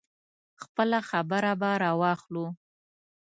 خپله خبره به راواخلو.